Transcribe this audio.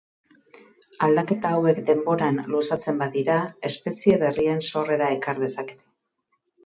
Aldaketa hauek denboran luzatzen badira espezie berrien sorrera ekar dezakete.